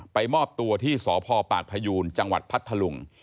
มอบตัวที่สพปากพยูนจังหวัดพัทธลุง